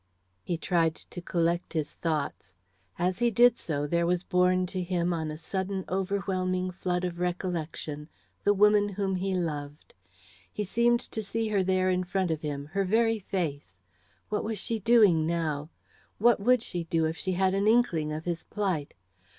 He tried to collect his thoughts. As he did so, there was borne to him, on a sudden overwhelming flood of recollection, the woman whom he loved. He seemed to see her there in front of him her very face. What was she doing now? What would she do if she had an inkling of his plight?